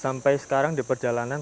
sampai sekarang di perjalanan